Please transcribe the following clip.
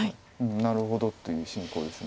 なるほどという進行です。